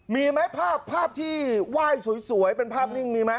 มีไหมภาพภาพที่ไหว้สวยเป็นภาพนิ่งมีไหม